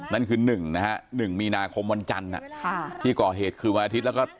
นั่นคือ๑นะฮะ๑มีนาคมวันจันทร์ที่ก่อเหตุคืนวันอาทิตย์แล้วก็